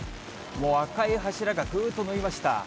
もう赤い柱がぐーっと伸びました。